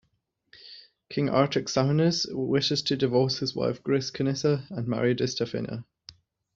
King Artaxaminous wishes to divorce his wife Griskinissa, and marry Distaffina.